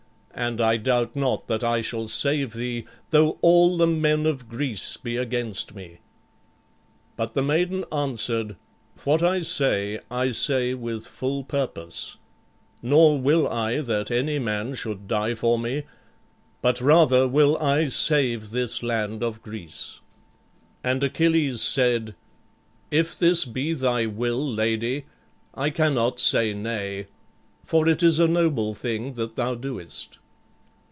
And I doubt not that I shall save thee, though all the men of Greece be against me." But the maiden answered, "What I say, I say with full purpose. Nor will I that any man should die for me, but rather will I save this land of Greece." And Achilles said, "If this be thy will, lady, I cannot say nay, for it is a noble thing that thou doest."